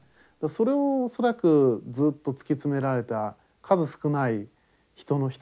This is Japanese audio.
それを恐らくずっと突き詰められた数少ない人の一人じゃないか。